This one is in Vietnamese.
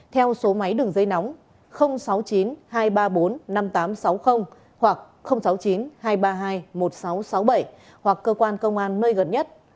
theo số máy đường dây nóng sáu mươi chín hai trăm ba mươi bốn năm nghìn tám trăm sáu mươi hoặc sáu mươi chín hai trăm ba mươi hai một nghìn sáu trăm sáu mươi bảy hoặc cơ quan công an nơi gần nhất